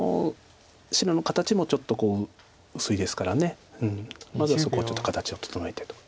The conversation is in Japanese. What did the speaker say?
白の形もちょっと薄いですからまずはそこをちょっと形を整えてと。